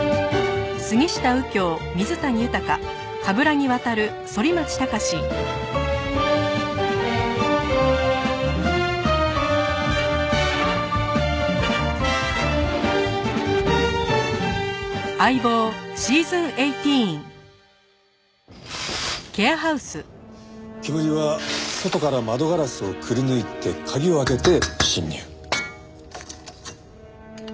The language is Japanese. けむりは外から窓ガラスをくりぬいて鍵を開けて侵入。